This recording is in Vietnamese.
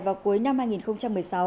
vào cuối năm hai nghìn một mươi sáu